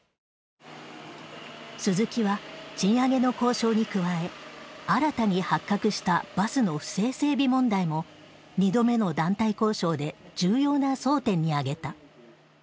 鈴木は賃上げの交渉に加え新たに発覚したバスの不正整備問題も２度目の団体交渉で重要な争点に挙げた。